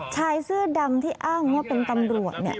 ชายเสื้อดำที่อ้างว่าเป็นตำรวจ